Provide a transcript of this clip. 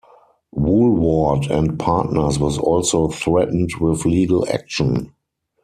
Woolward and Partners was also threatened with legal action.